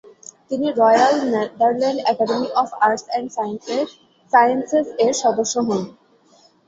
তিনি Royal Netherland Academy of Arts and Sciences এর সদস্য হন।